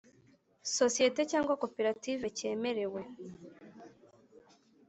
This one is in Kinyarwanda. sosiyete cyangwa koperative cyemerewe